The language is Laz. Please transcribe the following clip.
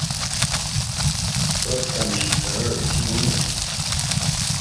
Dasǩanişi ǩarari si mo meçam.